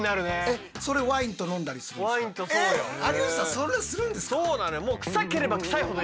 それするんですか？